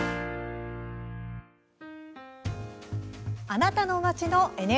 「あなたの街のＮＨＫ」